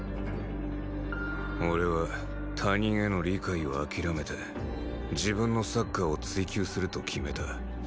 俺は他人への理解を諦めて自分のサッカーを追求すると決めた